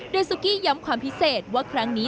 โดยซุกี้ย้ำความพิเศษว่าครั้งนี้